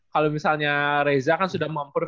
kalau misalnya reza kan sudah mempersi